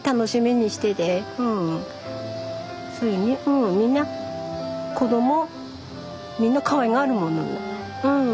もうみんな子どもみんなかわいがるものうん。